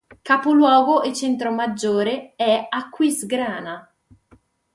Capoluogo e centro maggiore è Aquisgrana.